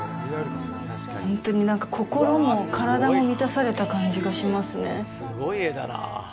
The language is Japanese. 本当に、なんか心も体も満たされた感じがしますね。